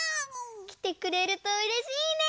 きてくれるとうれしいね！